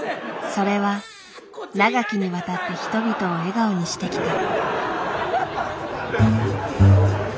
それは長きにわたって人々を笑顔にしてきた。